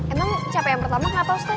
emang capek yang pertama kenapa ustadz